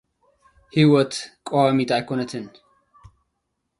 ሂወት ቀዋሚት ኣይኮነትን።